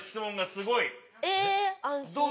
安心？